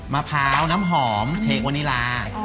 มะพร้าวน้ำหอมเทคโนนิลา